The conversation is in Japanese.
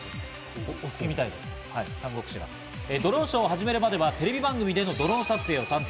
ドローンショーを始めるまでは、テレビ番組でのドローン撮影を担当。